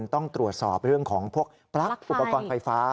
ต้องตรวจสอบเรื่องของพวกปลั๊กอุปกรณ์ไฟฟ้า